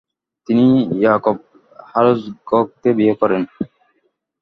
তিনি ইয়াকভ হারজগকে বিয়ে করেন।